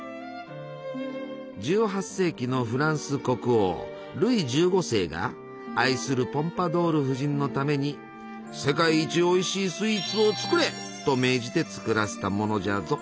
１８世紀のフランス国王ルイ１５世が愛するポンパドール夫人のために「世界一おいしいスイーツを作れ！」と命じて作らせたものじゃぞ。